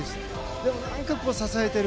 でも何か支えている。